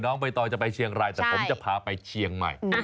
น้องไปต่อจะไปเชียงไลน์แต่ผมจะพาไปเชียงใหม่